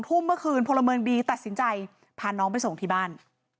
ทุ่มเมื่อคืนพลเมืองดีตัดสินใจพาน้องไปส่งที่บ้าน